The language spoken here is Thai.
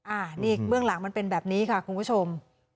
อันนี้เบื้องหลังมันเป็นแบบนี้ค่ะคุณผู้ชม